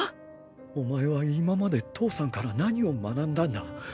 お前は今まで父さんから何を学んだんだ？